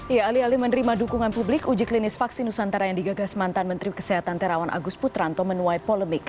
ya alih alih menerima dukungan publik uji klinis vaksin nusantara yang digagas mantan menteri kesehatan terawan agus putranto menuai polemik